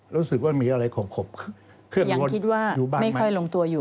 รู้สึกว่ามีอะไรข่มขบเครื่องรวดอยู่บ้างไหมอย่างคิดว่าไม่ค่อยลงตัวอยู่